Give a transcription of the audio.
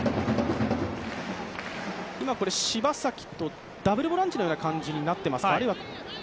今、柴崎とダブルボランチのような感じになっていますか。